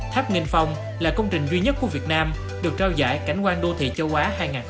tháp nginh phong là công trình duy nhất của việt nam được trao giải cảnh quan đô thị châu á hai nghìn hai mươi bốn